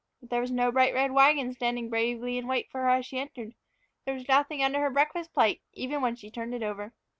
But there was no bright red wagon standing bravely in wait for her as she entered; there was nothing under her breakfast plate, even, when she turned it over.